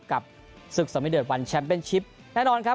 กับศึกสมิเดอร์วันแชมป์เป็นชิปแน่นอนครับ